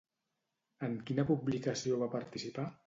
En quina publicació va participar?